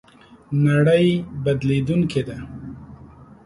نړۍ بدلېدونکې ده